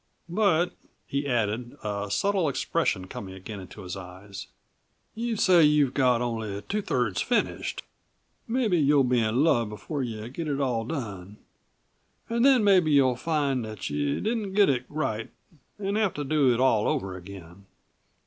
But," he added, a subtle expression coming again into his eyes, "you say you've got only two thirds finished. Mebbe you'll be in love before you get it all done. An' then mebbe you'll find that you didn't get it right an' have to do it all over again.